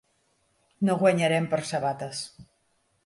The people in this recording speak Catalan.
No guanyarem per a sabates.